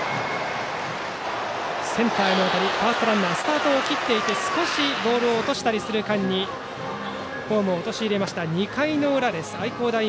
センターへの当たりファーストランナーはスタートを切っていて少しボールを落としたりする間にホームを陥れました。